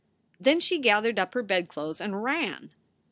Then she gathered up her bedclothes and ran.